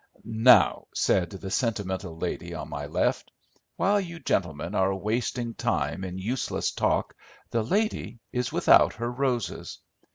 "Now," said the sentimental lady on my left, "while you gentlemen are wasting the time in useless talk the lady is without her roses.